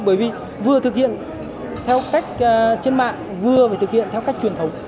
bởi vì vừa thực hiện theo cách trên mạng vừa phải thực hiện theo cách truyền thống